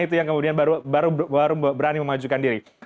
itu yang kemudian baru berani memajukan diri